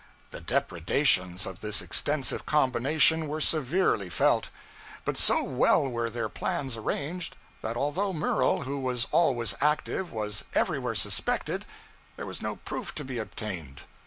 The depredations of this extensive combination were severely felt; but so well were their plans arranged, that although Murel, who was always active, was everywhere suspected, there was no proof to be obtained.